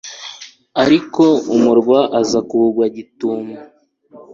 ariko umurwa aza kuwugwa gitumo